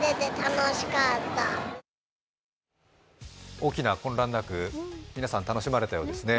大きな混乱なく皆さん楽しまれたようですね。